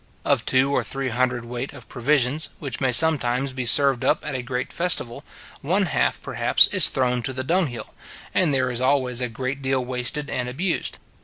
Of two or three hundred weight of provisions, which may sometimes be served up at a great festival, one half, perhaps, is thrown to the dunghill, and there is always a great deal wasted and abused.